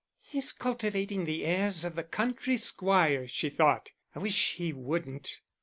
"He's cultivating the airs of the country squire," she thought. "I wish he wouldn't."